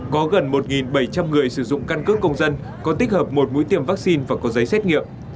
có gần một bảy trăm linh người sử dụng căn cước công dân có tích hợp một mũi tiêm vaccine và có giấy xét nghiệm